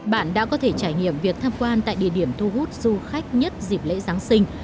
bạn đã có thể trải nghiệm việc tham quan tại địa điểm thu hút du khách nhất dịp lễ giáng sinh